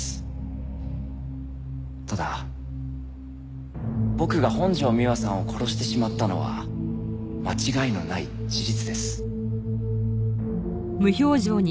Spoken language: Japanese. ただ僕が本条美和さんを殺してしまったのは間違いのない事実です。